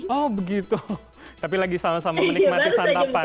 oh begitu tapi lagi sama sama menikmati santapan